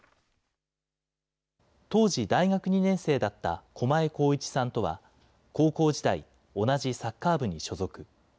当時大学２年生だった小前宏一さんとは、高校時代、同じサッカー部に所属。